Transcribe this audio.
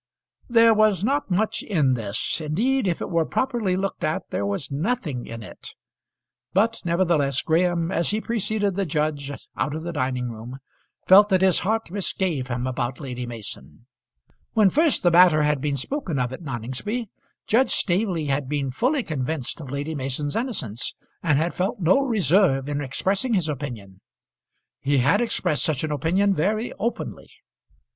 There was not much in this. Indeed if it were properly looked at there was nothing in it. But nevertheless Graham, as he preceded the judge out of the dining room, felt that his heart misgave him about Lady Mason. When first the matter had been spoken of at Noningsby, Judge Staveley had been fully convinced of Lady Mason's innocence, and had felt no reserve in expressing his opinion. He had expressed such an opinion very openly.